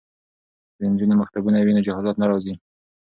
که د نجونو مکتبونه وي نو جهالت نه راځي.